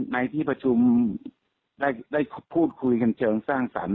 ในที่ประชุมได้พูดคุยกันเชิงสร้างสรรค